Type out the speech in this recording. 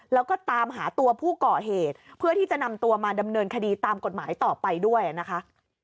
แล้วก็ตามหาตัวผู้ก่อเหตุเพื่อที่จะนำตัวมาดำเนินคดีตามกฎหมายต่อไปด้วยนะคะ